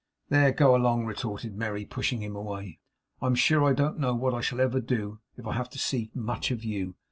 'There, go along!' retorted Merry, pushing him away. 'I'm sure I don't know what I shall ever do, if I have to see much of you.